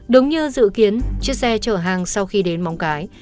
đúng như dự kiến chiếc xe chở hàng sau khi đến móng cái